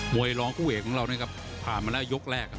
มวยร้องคู่เห่ยของเราเนี่ยครับผ่านมาแล้วยกแรก